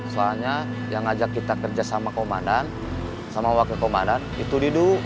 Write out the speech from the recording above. soalnya yang ngajak kita kerjasama komandan sama wakil komandan itu didu